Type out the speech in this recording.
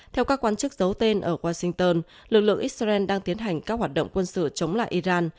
theo các quan chức giấu tên ở washington lực lượng israel đang tiến hành các hoạt động quân sự chống lại iran